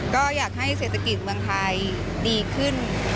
ก็อยากให้เศรษฐกิจเมืองไทยดีขึ้น